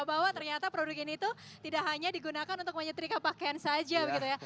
bahwa ternyata produk ini itu tidak hanya digunakan untuk menyetrika pakaian saja begitu ya